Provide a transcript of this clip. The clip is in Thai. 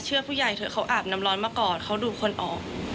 ผู้ใหญ่เถอะเขาอาบน้ำร้อนมาก่อนเขาดูคนออก